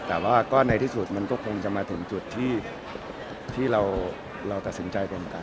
แต่ว่าก็ในที่สุดมันก็คงจะมาถึงจุดที่เราตัดสินใจตรงกัน